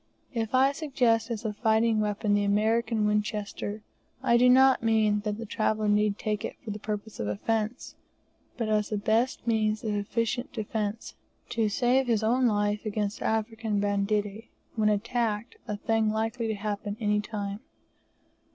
If I suggest as a fighting weapon the American Winchester, I do not mean that the traveller need take it for the purpose of offence, but as the beat means of efficient defence, to save his own life against African banditti, when attacked, a thing likely to happen any time.